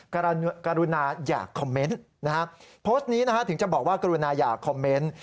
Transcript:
กรุณาอยากคอมเมนต์นะฮะโพสต์นี้นะฮะถึงจะบอกว่ากรุณาอย่าคอมเมนต์